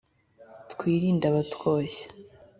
twirinde abatwoshya